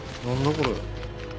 これ。